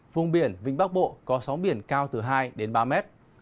vùng biển vĩnh bắc bộ có sóng biển cao từ hai đến ba mét